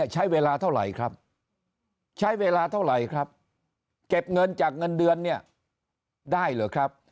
ใช้เวลาเท่าไหร่ครับเก็บเงินจากเงินเดือนได้หรือครับ